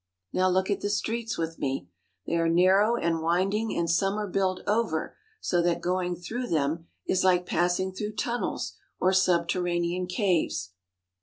Now look at the streets with me. They are narrow and winding and some are built over, so that going through them is like passing through tunnels or subterranean caves.